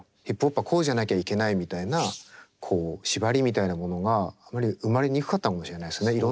ヒップホップはこうじゃなきゃいけないみたいなこう縛りみたいなものがあまり生まれにくかったのかもしれないですね。